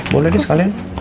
boleh deh sekalian